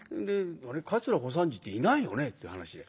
「桂小三治っていないよね？」っていう話で。